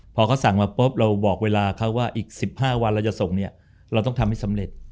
พอเขาสั่งมาปุ๊บเราบอกเวลาเขาว่าอีก๑๕วันเราจะส่งเนี่ยเราต้องทำให้สำเร็จ